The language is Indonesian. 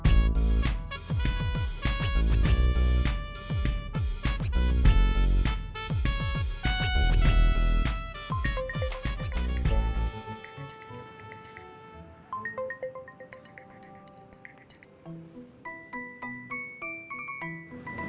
pak pak pak